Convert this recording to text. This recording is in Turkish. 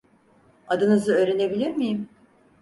Adınızı öğrenebilir miyim?